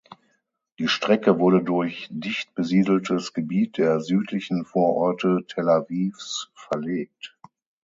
Die Strecke wurde durch dicht besiedeltes Gebiet der südlichen Vororte Tel Avivs verlegt.